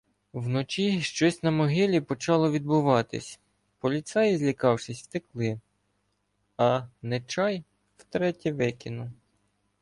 Вночі щось на могилі почало відбуватися, поліцаї, злякавшись, втекли, а "Нечай — втретє викинув".